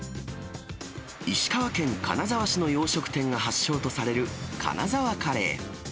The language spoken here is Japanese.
石川県金沢市の洋食店が発祥とされる金沢カレー。